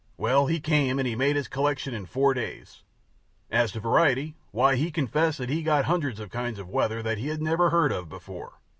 Well, he came and he made his collection in four days. As to variety, why, he confessed that he got hundreds of kinds of weather that he had never heard of before.